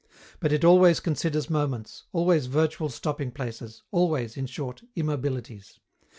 But it always considers moments, always virtual stopping places, always, in short, immobilities.